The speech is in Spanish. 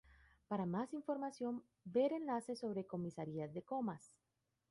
Para más información ver enlace sobre Comisarías de Comas.